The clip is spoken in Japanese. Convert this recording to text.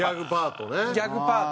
ギャグパートね。